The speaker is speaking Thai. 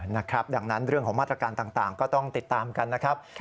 นะครับดังนั้นเรื่องของมาตรการต่างก็ต้องติดตามกันนะครับ